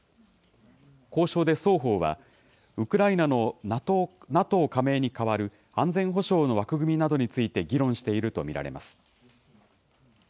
交渉で双方はウクライナのＮＡＴＯ加盟に代わる安全保障の枠組みなどについて議論していると見られます。